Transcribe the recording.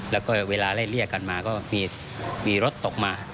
แล้วก็เวลาไล่เรียกกันมาก็มีรถตกมา